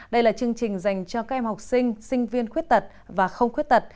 đây là chương trình dành cho các em học sinh sinh viên khuyết tật và không khuyết tật